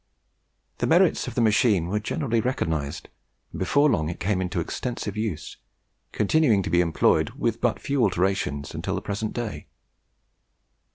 The merits of the machine were generally recognised, and before long it came into extensive use, continuing to be employed, with but few alterations, until the present day.